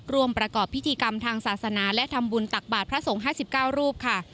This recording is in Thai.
ประกอบพิธีกรรมทางศาสนาและทำบุญตักบาทพระสงฆ์๕๙รูปค่ะ